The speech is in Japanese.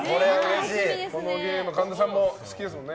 このゲーム神田さんも好きですよね。